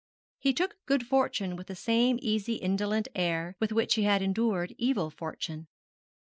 He took good fortune with the same easy indolent air with which he had endured evil fortune.